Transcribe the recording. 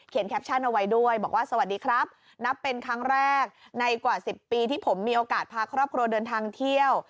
แคปชั่นเอาไว้ด้วยบอกว่าสวัสดีครับนับเป็นครั้งแรกในกว่า๑๐ปีที่ผมมีโอกาสพาครอบครัวเดินทางเที่ยว